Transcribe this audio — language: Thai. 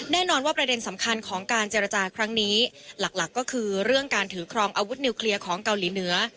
แน่นอนว่าประเด็นสำคัญของการเจรจาครั้งนี้หลักก็คือเรื่องการถือครองอาวุธนิวเคลียร์ของเกาหลีเหนือ